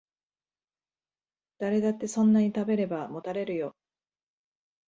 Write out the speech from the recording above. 誰だってそんなに食べればもたれるよ